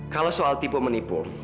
kalau soal tipe menipu